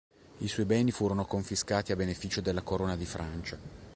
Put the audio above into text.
I suoi beni furono confiscati a beneficio della Corona di Francia.